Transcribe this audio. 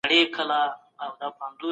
تخنیکي پرمختګ هره ورځ نوي شیان پنځوي.